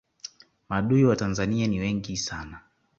maadui wa tanzania ni wengi sana